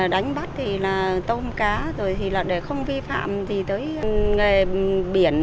đánh bắt thì là tôm cá rồi thì là để không vi phạm thì tới biển